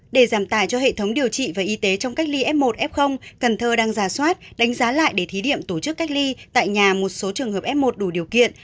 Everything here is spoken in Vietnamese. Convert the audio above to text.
để giảm tài cho hệ thống điều trị và y tế trong cách ly f một f cần thơ đang ra soát đánh giá lại để thí điểm tổ chức cách ly tại nhà một số trường hợp f một đủ điều kiện